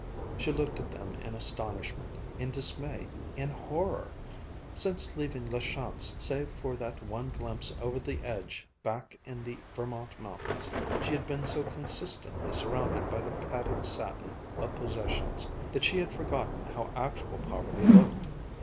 She looked at them in astonishment, in dismay, in horror. Since leaving La Chance, save for that one glimpse over the edge back in the Vermont mountains, she had been so consistently surrounded by the padded satin of possessions that she had forgotten how actual poverty looked.